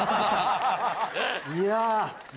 いや。